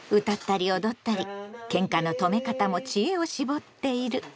歌ったり踊ったりケンカの止め方も知恵を絞っている。